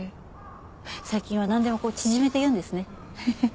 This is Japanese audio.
最近はなんでもこう縮めて言うんですね。